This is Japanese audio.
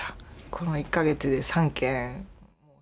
この１か月で３件。